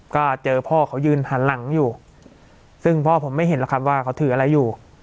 ก็เจอพ่อเขายืนหันหลังอยู่ซึ่งพ่อผมไม่เห็นหรอกครับว่าเขาถืออะไรอยู่